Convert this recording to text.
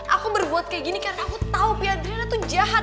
aku berbuat kayak gini karena aku tau pi adriana tuh jahat